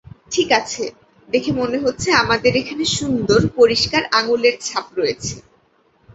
ঠিক আছে, দেখে মনে হচ্ছে আমাদের এখানে সুন্দর, পরিষ্কার আঙুলের ছাপ রয়েছে।